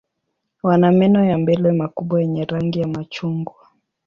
Wana meno ya mbele makubwa yenye rangi ya machungwa.